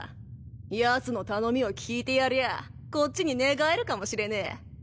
ヤツの頼みを聞いてやりゃあこっちに寝返るかもしれねえ。